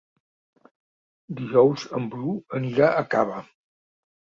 Dijous en Bru anirà a Cava.